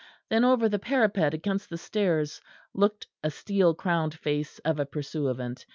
Then over the parapet against the stairs looked a steel crowned face of a pursuivant.